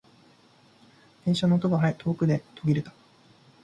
電車の音が遠くで途切れた。